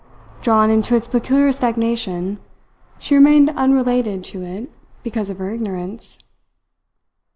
Drawn into its peculiar stagnation she remained unrelated to it because of her ignorance.